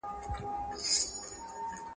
لویه جرګه څنګه د ملي ګټو ساتنه کوي؟